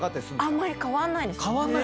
あんまり変わんないんですよ。